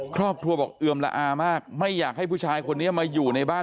ครอบครัวบอกเอือมละอามากไม่อยากให้ผู้ชายคนนี้มาอยู่ในบ้าน